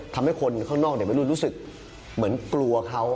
ทำให้คนข้างนอกไม่รู้สึกเหมือนกลัวเขา